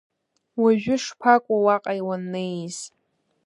Уажәы шԥакәу уаҟа уаннеиз.